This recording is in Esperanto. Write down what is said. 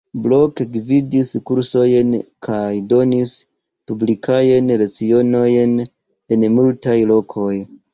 Blok gvidis kursojn kaj donis publikajn lecionojn en multaj lokoj.